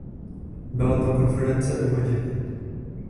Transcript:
Byla to konference o vodě.